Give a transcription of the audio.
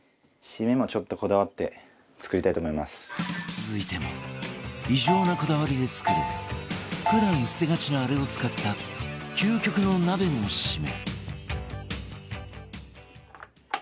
続いても異常なこだわりで作る普段捨てがちなあれを使った究極の鍋のシメ